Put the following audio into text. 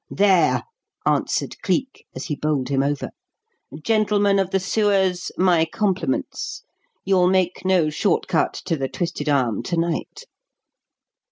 "There!" answered Cleek, as he bowled him over. "Gentlemen of the sewers, my compliments. You'll make no short cut to 'The Twisted Arm' to night!"